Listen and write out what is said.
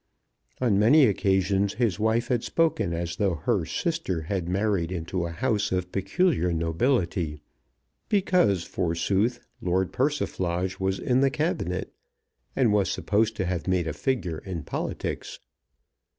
On many occasions his wife had spoken as though her sister had married into a House of peculiar nobility, because, forsooth, Lord Persiflage was in the Cabinet, and was supposed to have made a figure in politics.